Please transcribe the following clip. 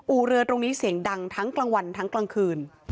เรือตรงนี้เสียงดังทั้งกลางวันทั้งกลางคืน